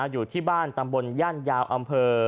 อยู่ที่บ้านตำบลย่านยาวอำเภอ